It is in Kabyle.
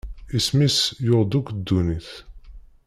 Isem-is yuɣ-d akk ddunit.